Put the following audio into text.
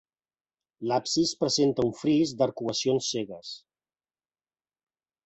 L'absis presenta un fris d'arcuacions cegues.